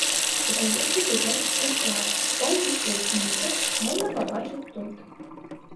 Выдаецца білет бясплатна, поўны спіс зніжак можна пабачыць тут.